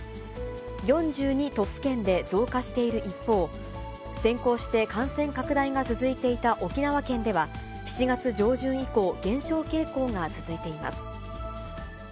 ４２都府県で増加している一方、先行して感染拡大が続いていた沖縄県では、７月上旬以降、減少傾向が続いています。